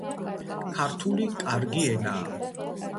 ქართული კარგი ენაა.